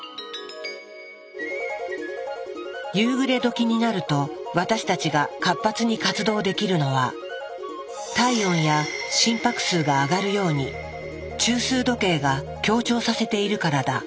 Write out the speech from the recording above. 夕暮れ時になると私たちが活発に活動できるのは体温や心拍数が上がるように中枢時計が協調させているからだ。